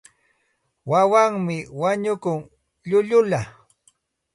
Wawanmi wañukun llullulla.